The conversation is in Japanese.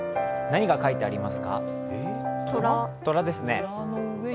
何が描いてありますか？